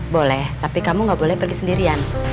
boleh tapi kamu nggak boleh pergi sendirian